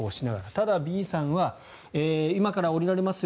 ただ、Ｂさんは今から降りられますよ